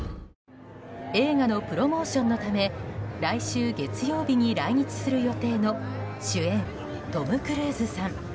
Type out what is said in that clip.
映画のプロモーションのため来週月曜日に来日する予定の主演、トム・クルーズさん。